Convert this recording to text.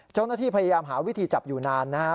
เจ้าหน้าที่พยายามหาวิธีจับอยู่นานนะฮะ